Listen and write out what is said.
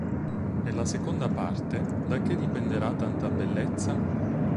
Nella seconda parte, "Da che dipenderà tanta bellezza?